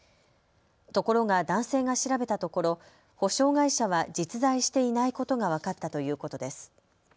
ところが男性が調べたところ保証会社は実在していないことが分かったということです。